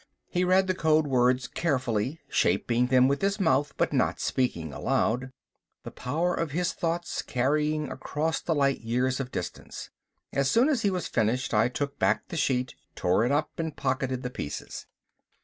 He read the code words carefully, shaping them with his mouth but not speaking aloud, the power of his thoughts carrying across the light years of distance. As soon as he was finished I took back the sheet, tore it up and pocketed the pieces.